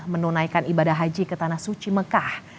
menunaikan ibadah haji ke tanah suci mekah